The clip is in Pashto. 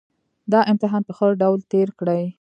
دا امتحان په ښه ډول تېر کړئ